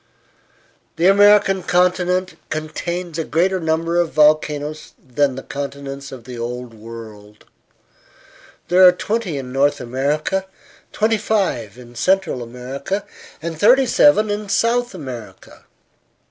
The American continent contains a greater number of volcanoes than the continents of the Old World. There are twenty in North America, twenty five in Central America, and thirty seven in South America.